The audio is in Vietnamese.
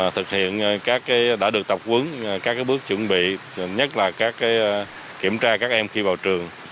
thực hiện các cái đã được tập quấn các cái bước chuẩn bị nhất là các cái kiểm tra các em khi vào trường